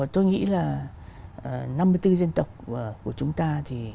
tôi nghĩ là năm mươi bốn dân tộc của chúng ta thì